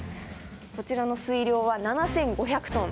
こちらの水量は７，５００トン。